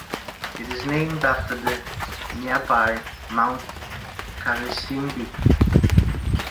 It is named after the nearby Mount Karisimbi.